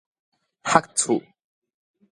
蓄厝